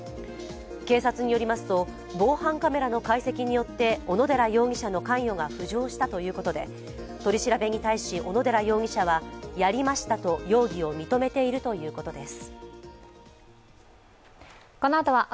警察によりますと、防犯カメラの解析によって小野寺容疑者の関与が浮上したということで、取り調べに対し、小野寺容疑者はやりましたと容疑を認めているということです。